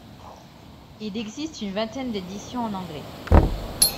Il existe une vingtaine d'éditions en anglais.